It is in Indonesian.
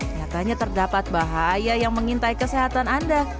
nyatanya terdapat bahaya yang mengintai kesehatan anda